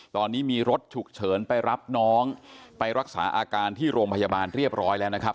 ตอนนี้มีรถฉุกเฉินไปรับน้องไปรักษาอาการที่โรงพยาบาลเรียบร้อยแล้วนะครับ